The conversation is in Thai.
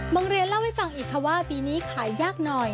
โรงเรียนเล่าให้ฟังอีกค่ะว่าปีนี้ขายยากหน่อย